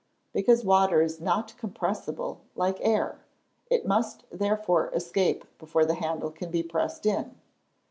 _ Because water is not compressible, like air; it must therefore escape before the handle can be pressed in.